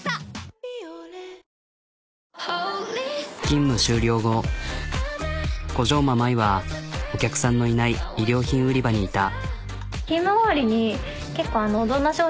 勤務終了後小上馬舞はお客さんのいない衣料品売り場にいた。